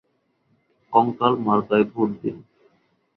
কঙ্কাল মার্কায় ভোট দিন।